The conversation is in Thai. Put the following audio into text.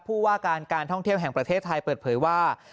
ผู้ว่าการการท่องเที่ยวแห่งประเทศไทยเปิดเผยว่า